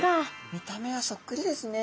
見た目はそっくりですね。